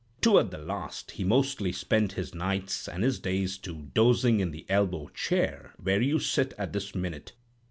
Toward the last he mostly spent his nights (and his days, too) dozing in the elbow chair where you sit at this minute.